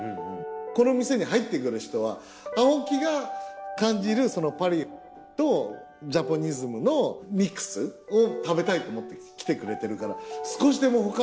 この店に入ってくる人は青木が感じるパリとジャポニスムのミックスを食べたいと思って来てくれてるから。